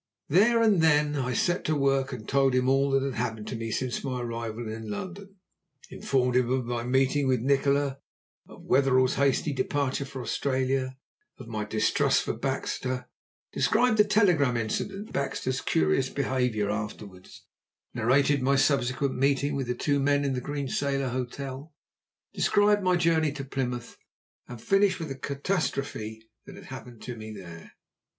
There and then I set to work and told him all that had happened to me since my arrival in London; informed him of my meeting with Nikola, of Wetherell's hasty departure for Australia, of my distrust for Baxter, described the telegram incident and Baxter's curious behaviour afterwards, narrated my subsequent meeting with the two men in the Green Sailor Hotel, described my journey to Plymouth, and finished with the catastrophe that had happened to me there.